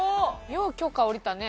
よう許可下りたね。